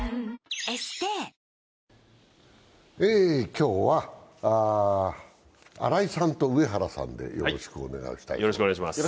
今日は新井さんと上原さんでよろしくお願いします。